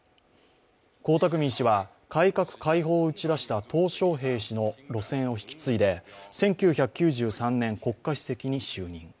江沢民氏は改革開放を打ち出したトウ小平氏の路線を引き継いで１９９３年国家主席に就任。